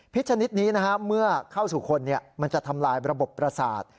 ชนิดนี้เมื่อเข้าสู่คนมันจะทำลายระบบประสาท